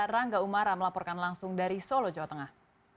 rangga umara melaporkan langsung dari solo jawa tengah